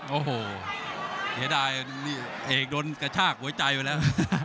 โอ้โหเสียดายนี่เอกโดนกระชากหัวใจไปแล้ว